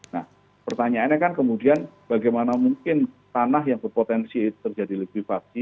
nah pertanyaannya kan kemudian bagaimana mungkin tanah yang berpotensi terjadi likuifaksi